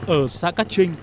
ở xã cát trinh